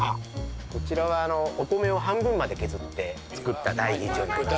こちらはお米を半分まで削って造った大吟醸になります。